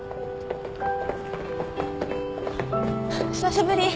久しぶり。